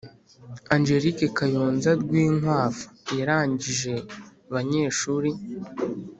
Angelique Kayonza Rwinkwavu yarangije banyeshuri